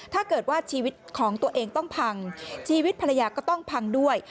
ถ้าเกิดว่าชีวิตของตัวเองต้องพังชีวิตภรรยาก็ต้องพังด้วย